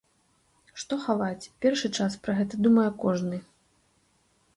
Што хаваць, першы час пра гэта думае кожны.